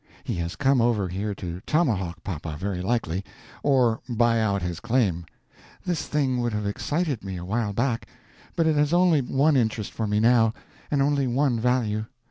He has come over here to tomahawk papa, very likely—or buy out his claim. This thing would have excited me, a while back; but it has only one interest for me now, and only one value.